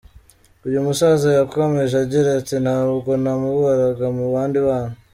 Uyu musaza yakomeje agira ati “Ntabwo namubaraga mu bandi bana.